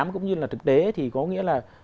cũng như là thực tế thì có nghĩa là